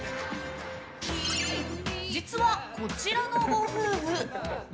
実は、こちらのご夫婦。